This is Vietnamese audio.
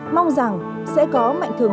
mong rằng sẽ có mạnh thường